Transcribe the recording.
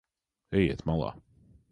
Ejiet malā.